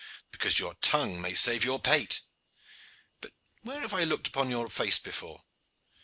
"Because your tongue may save your pate. But where have I looked upon your face before?"